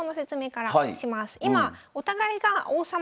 今お互いが王様